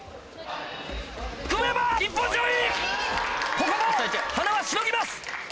ここも塙しのぎます。